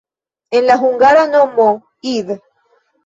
En la hungara nomo "id.